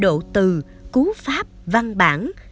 độ từ cú pháp văn bản